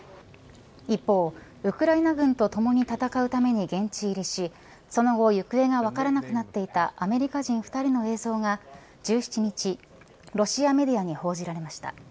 一方、ウクライナ軍と共に戦うために現地入りしその後行方が分からなくなっていたアメリカ人２人の映像が１７日、ロシアメディアに報じられました。